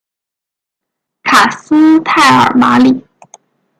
卡斯泰尔马里。